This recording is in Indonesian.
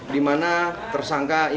di mana tersangka ini